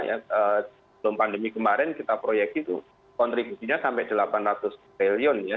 sebelum pandemi kemarin kita proyeksi itu kontribusinya sampai delapan ratus triliun ya